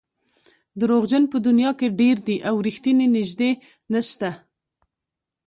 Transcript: دروغجن په دنیا کې ډېر دي او رښتیني نژدې نشته.